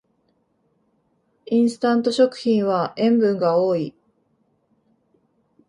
インスタント食品は塩分が多い